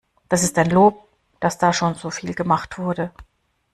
Das ist ein Lob, dass da schon so viel gemacht wurde.